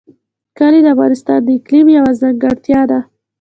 کلي د افغانستان د اقلیم یوه ځانګړتیا ده.